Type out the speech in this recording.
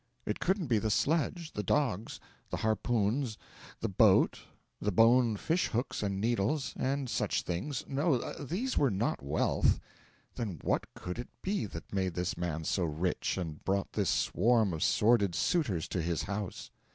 It couldn't be the sledge, the dogs, the harpoons, the boat, the bone fish hooks and needles, and such things no, these were not wealth. Then what could it be that made this man so rich and brought this swarm of sordid suitors to his house?